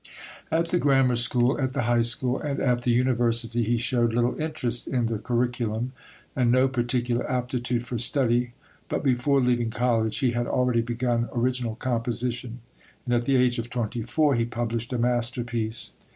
At the grammar school, at the high school, and at the university he showed little interest in the curriculum, and no particular aptitude for study; but before leaving college he had already begun original composition, and at the age of twenty four he published a masterpiece.